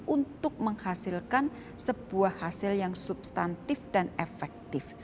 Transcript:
untuk menghasilkan sebuah hasil yang substantif dan efektif